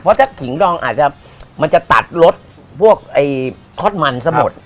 เพราะถ้าขิงดองอาจจะมันจะตัดรสพวกทอดมันสะบด